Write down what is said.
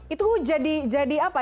itu jadi jadi apa